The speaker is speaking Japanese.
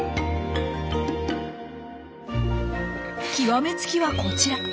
極め付きはこちら。